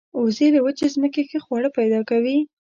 وزې له وچې ځمکې ښه خواړه پیدا کوي